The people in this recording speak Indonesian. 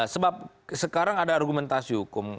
sebab sekarang ada argumentasi hukum